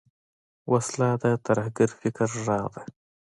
وسله د ترهګر فکر غږ ده